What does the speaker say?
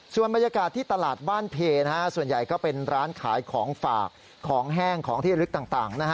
ส่วนบรรยากาศที่ตลาดบ้านเพส่วนใหญ่ก็เป็นร้านขายของฝากของแห้งของที่ลึกต่าง